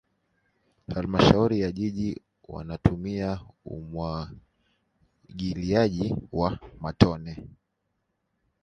halmashauri ya jiji wanatumia umwagiliaji wa matone